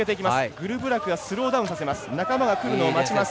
グルブラクがスローダウンさせます。